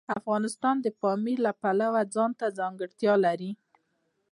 افغانستان د پامیر د پلوه ځانته ځانګړتیا لري.